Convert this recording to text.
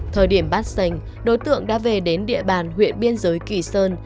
thời điểm bát sành đối tượng đã về đến địa bàn huyện biên giới kỳ sơn